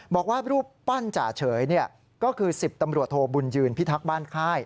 บอกว่ารูปปั้นจ่าเฉยก็คือ๑๐ตำรวจโทบุญยืนพิทักษ์บ้านค่าย